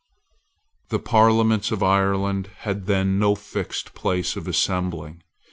The Parliaments of Ireland had then no fixed place of assembling.